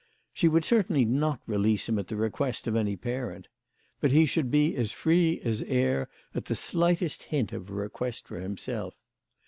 She would certainly not release him at the request of any parent ; but he should be free as air at the slightest hint of a request from himself.